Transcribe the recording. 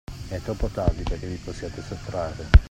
È troppo tardi perché vi possiate sottrarre.